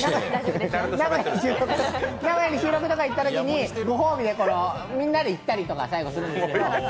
名古屋に収録とかに行ったときにご褒美でみんなで行ったりとかするんだけど。